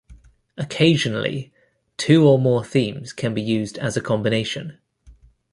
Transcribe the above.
Occasionally, two or more themes can be used as a combination.